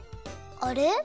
あれ？